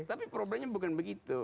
tapi problemnya bukan begitu